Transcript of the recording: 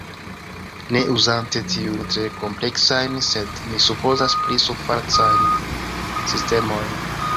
ne uzante tiujn tre kompleksajn, sed, mi supozas, pli surfacajn sistemojn.